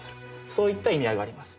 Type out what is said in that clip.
そういった意味合いがあります。